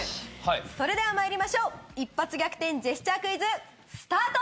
それではまいりましょう「一発逆転‼ジェスチャークイズ」スタート！